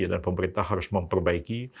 dan pemerintah harus memperbaiki